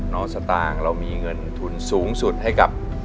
สตางค์เรามีเงินทุนสูงสุดให้กับ